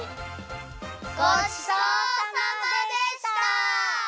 ごちそうさまでした！